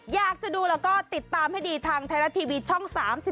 อยากจะดูแล้วก็ติดตามให้ดีทางไทยรัฐทีวีช่อง๓๒